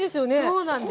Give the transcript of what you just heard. そうなんです。